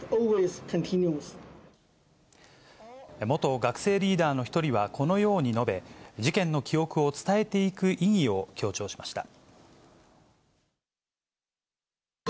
元学生リーダーの一人はこのように述べ、事件の記憶を伝えていく意義を強調しました。